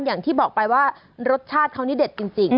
อย่างที่บอกไปว่ารสชาติเขานี่เด็ดจริง